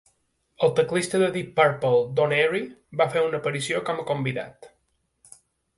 El teclista de Deep Purple Don Airey va fer una aparició com a convidat.